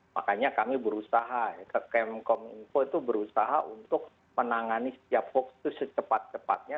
makanya kami berusaha ke kemenkominfo itu berusaha untuk menangani setiap hoax itu secepat cepatnya